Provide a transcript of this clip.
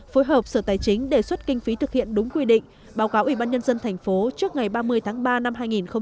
phối hợp sở tài chính đề xuất kinh phí thực hiện đúng quy định báo cáo ubnd tp trước ngày ba mươi tháng ba năm hai nghìn hai mươi